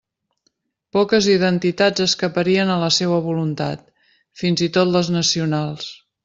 Poques identitats escaparien a la seua voluntat, fins i tot les nacionals.